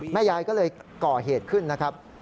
ยายก็เลยก่อเหตุขึ้นนะครับ